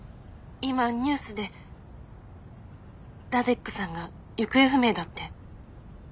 今ニュースでラデックさんが行方不明だって。